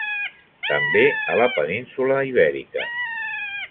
També a la península Ibèrica.